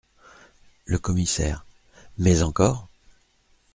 Le Commissaire Mais encore ?…